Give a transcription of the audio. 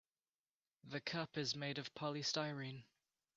This cup is made of polystyrene.